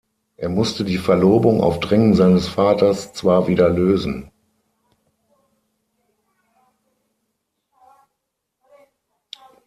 Er musste die Verlobung auf Drängen seines Vaters zwar wieder lösen.